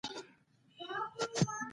يره تومت مه وايه.